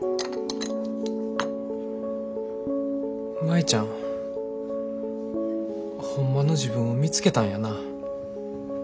舞ちゃんホンマの自分を見つけたんやな。